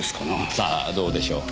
さあどうでしょう。